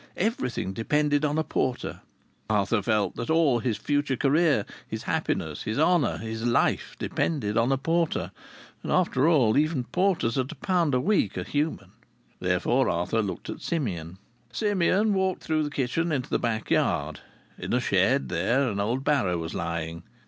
Everything depended on a porter. Arthur felt that all his future career, his happiness, his honour, his life depended on a porter. And, after all, even porters at a pound a week are human. Therefore, Arthur looked at Simeon. Simeon walked through the kitchen into the backyard. In a shed there an old barrow was lying.